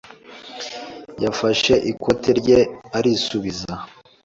yafashe ikote rye arisubiza.